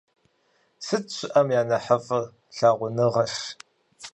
Сыт щыӀэм я нэхъыфӀыр? Лъагъуныгъэрщ!